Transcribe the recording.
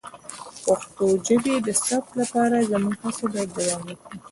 د پښتو ژبې د ثبت لپاره زموږ هڅې باید دوام وکړي.